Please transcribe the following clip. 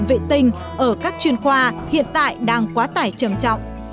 bệnh viện vệ tinh ở các chuyên khoa hiện tại đang quá tải trầm trọng